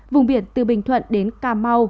vùng biển từ bình thuận đến cà mau